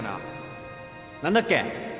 何だっけ？